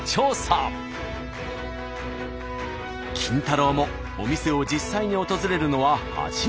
キンタロー。もお店を実際に訪れるのは初めて。